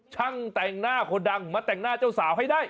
ช่างแต่งหน้าคนดังมาแต่งหน้าเจ้าสาวให้ได้